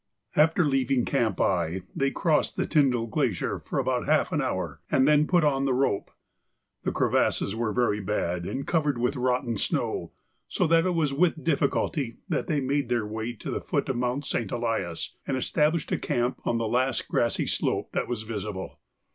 After leaving Camp I, they crossed the Tyndall Glacier for about half an hour, and then put on the rope. The crevasses were very bad, and covered with rotten snow, so that it was with difficulty that they made their way to the foot of Mount St. Elias, and established a camp on the last grassy slope that was visible.